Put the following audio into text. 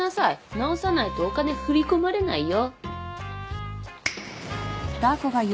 直さないとお金振り込まれないよ。